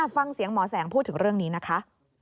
ฟังเสียงหมอแสงพูดถึงเรื่องนี้นะคะ